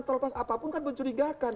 terlepas apapun kan mencurigakan